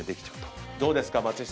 どうですか？